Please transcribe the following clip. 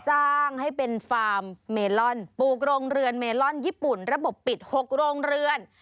สร้างให้เป็นฟาร์มเมลอนปลูกโรงเรือนเมลอนญี่ปุ่นระบบปิด๖โรงเรือน